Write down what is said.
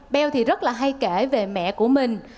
béo thì rất là hay kể về mẹ của mình